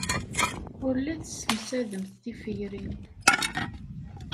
Ur la tessemsademt tiferyin.